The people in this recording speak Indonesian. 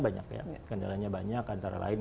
banyak ya kendalanya banyak antara lain